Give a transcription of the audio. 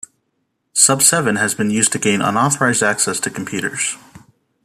SubSeven has been used to gain unauthorized access to computers.